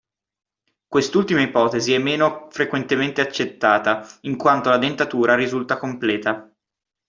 Quest'ultima ipotesi è meno frequentemente accettata, in quanto la dentatura risulta completa.